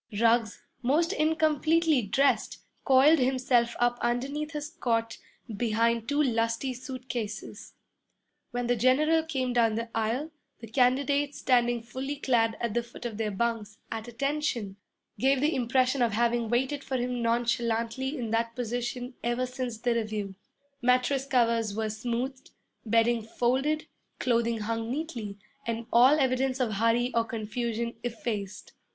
Ruggs, most incompletely dressed, coiled himself up underneath his cot behind two lusty suitcases. When the general came down the aisle, the candidates standing fully clad at the foot of their bunks, at 'attention,' gave the impression of having waited for him nonchalantly in that position ever since the review. Mattress covers were smoothed, bedding folded, clothing hung neatly, and all evidence of hurry or confusion effaced.